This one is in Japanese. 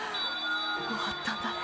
終わったんだね